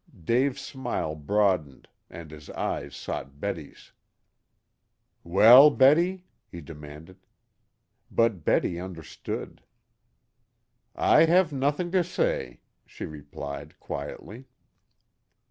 '" Dave's smile broadened, and his eyes sought Betty's. "Well, Betty?" he demanded. But Betty understood. "I have nothing to say," she replied quietly.